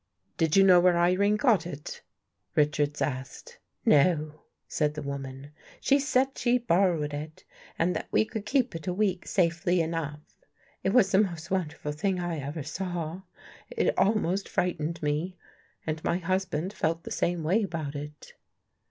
"Did you know where Irene got it?" Richards asked. " No,"^ said the woman. " She said she'd bor rowed it and that we could keep it a week safely enough. It was the most wonderful thing I ever saw. It almost frightened me. And my husband felt the same way about it."